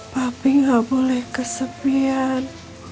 papi gak boleh kesepian